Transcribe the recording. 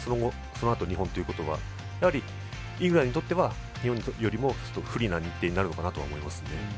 そのあと日本ということはイングランドにとっては日本よりも不利な日程になるのかなと思いますね。